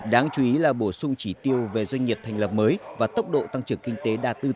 đáng chú ý là bổ sung chỉ tiêu về doanh nghiệp thành lập mới và tốc độ tăng trưởng kinh tế đạt từ tám bốn đến tám bảy